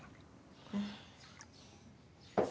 うん